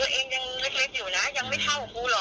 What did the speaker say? พุ่นี้ผ่านจุดนี้มาแล้วมทำแบบนี้มาแล้วเหมือนจะได้การสอนเด็ก